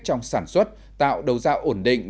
trong sản xuất tạo đầu giao ổn định